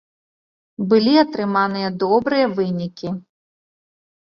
Былі атрыманыя добрыя вынікі.